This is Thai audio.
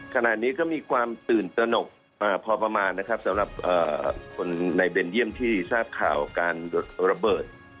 ขณะนี้ก็มีความตื่นตนกพอประมาณนะครับสำหรับคนในเบนเยี่ยมที่ทราบข่าวการระเบิด